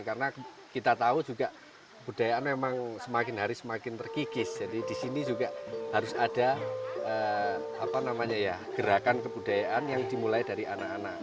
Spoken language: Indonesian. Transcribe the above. karena kita tahu juga kebudayaan memang semakin hari semakin terkikis jadi di sini juga harus ada gerakan kebudayaan yang dimulai dari anak anak